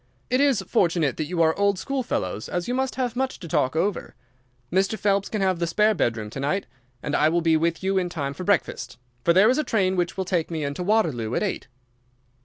It is fortunate that you are old schoolfellows, as you must have much to talk over. Mr. Phelps can have the spare bedroom to night, and I will be with you in time for breakfast, for there is a train which will take me into Waterloo at eight."